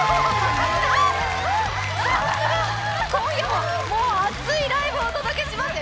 今夜ももう熱いライブをお届けしますよ！